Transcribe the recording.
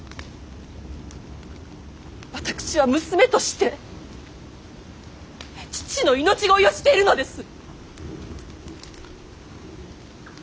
私は娘として父の命乞いをしているのです。